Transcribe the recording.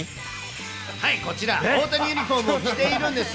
はい、こちら、大谷ユニホームを着ているんです。